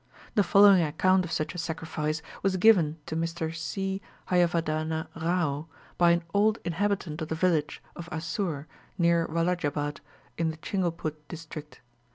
The following account of such a sacrifice was given to Mr C. Hayavadana Rao by an old inhabitant of the village of Asur near Walajabad in the Chingleput district.